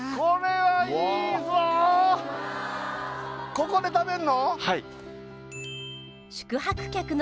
ここで食べんの？